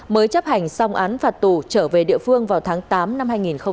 mới chấp hành xong án phạt tù trở về địa phương vào tháng tám năm hai nghìn hai mươi